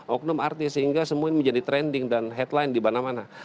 oknum artis sehingga semua ini menjadi trending dan headline di mana mana